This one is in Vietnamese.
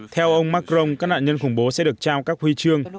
theo ông macron các nạn nhân khủng bố sẽ được trao các huy chương